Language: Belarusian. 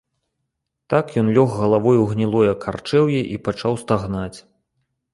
Так ён лёг галавой у гнілое карчэўе і пачаў стагнаць.